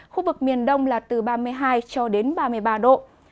khu vực miền đông là từ ba mươi hai cho đến ba mươi ba độ